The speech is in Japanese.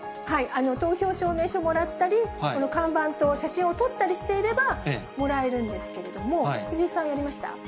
投票証明書をもらったり、看板と写真を撮ったりしていれば、もらえるんですけれども、藤井さん、やりました？